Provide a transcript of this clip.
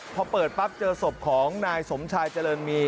พอเปิดปั๊บเจอศพของนายสมชายเจริญมี